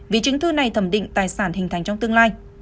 vì chứng thư này thẩm định tài sản hình thành trong tương lai